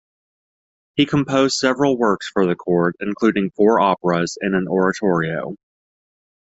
He composed several works for the court, including four operas and an oratorio.